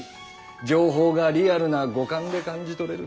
情報がリアルな五感で感じ取れる。